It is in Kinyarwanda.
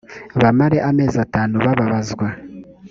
bamare amezi atanu bababazwa